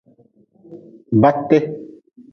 Ba te.